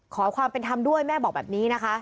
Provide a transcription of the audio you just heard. ขอความเป็นธรรมด้วยแม่บอกแบบนี้นะคะ